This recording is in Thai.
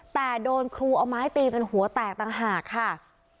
แต่โดนครูเอาไม้ตีจนหัวแตกต่างหากค่ะ